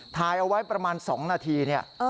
ถ่ายเอาไว้ประมาณ๒นาทีเนี่ย